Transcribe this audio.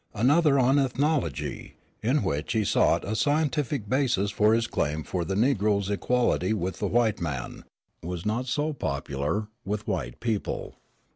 Another on "Ethnology," in which he sought a scientific basis for his claim for the negro's equality with the white man, was not so popular with white people.